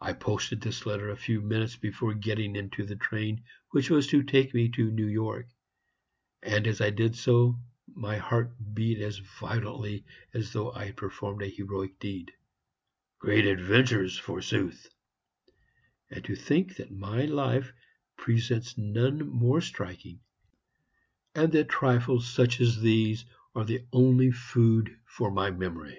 I posted this letter a few minutes before getting into the train which was to take me to New York; and, as I did so, my heart beat as violently as though I had performed a heroic deed. Great adventures, forsooth! And to think that my life presents none more striking, and that trifles such as these are the only food for my memory!